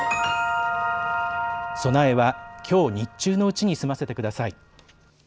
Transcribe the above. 備えは、きょう日中のうちに済ませてください。